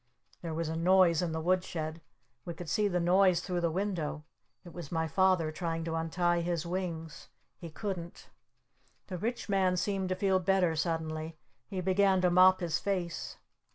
There was a noise in the wood shed. We could see the noise through the window. It was my Father trying to untie his wings. He couldn't. The Rich Man seemed to feel better suddenly. He began to mop his face.